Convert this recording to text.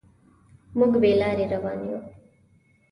موږ بې لارې روان یو.